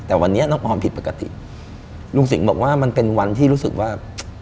แต่วันนี้น้องออมผิดปกติลุงสิงห์บอกว่ามันเป็นวันที่รู้สึกว่า